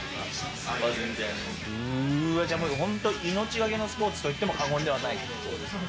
命懸けのスポーツと言っても過言ではない。